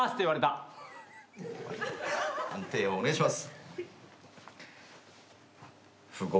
判定をお願いします。